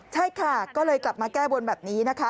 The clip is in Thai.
ใช่ค่ะก็เลยกลับมาแก้บนแบบนี้นะคะ